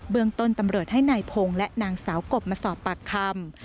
เมืองต้นตำรวจให้นายพงศ์และนางสาวกบมาสอบปากคำ